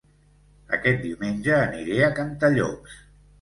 Aquest diumenge aniré a Cantallops